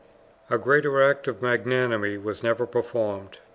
A greater act of magnanimity was never performed.